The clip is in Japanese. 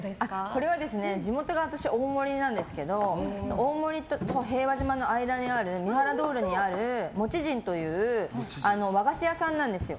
これは地元が私、大森なんですけど大森と平和島の間にある餅甚という和菓子屋さんなんです。